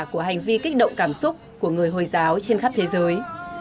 của hành vi kích động cảm xúc của người hồi giáo trên khắp thế giới